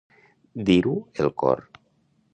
Dir-ho el cor.